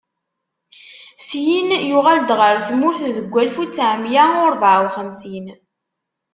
Syin yuɣal-d ɣer tmurt deg walef u ttɛemya u ṛebɛa u xemsin.